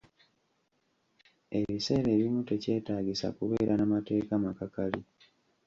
Ebiseera ebimu tekyetaagisa kubeera na mateeka makakali.